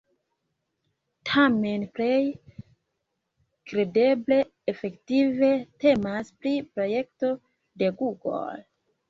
Tamen plej kredeble efektive temas pri projekto de Google.